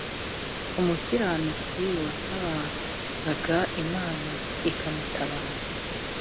umukiranutsi watabazaga imana ikantabara